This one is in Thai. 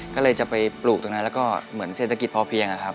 ก็เลยจะไปปลูกตรงนั้นแล้วก็เหมือนเศรษฐกิจพอเพียงนะครับ